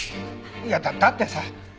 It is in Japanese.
いやだってさ